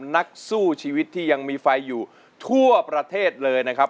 นักสู้ชีวิตที่ยังมีไฟอยู่ทั่วประเทศเลยนะครับ